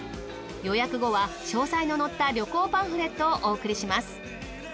予約後は詳細の載った旅行パンフレットをお送りします。